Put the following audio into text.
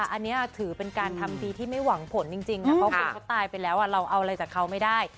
อันนี้ถือเป็นการทำดีที่ไม่หวังผลจริงนะเพราะคนเขาตายไปแล้วเราเอาอะไรจากเขาไม่ได้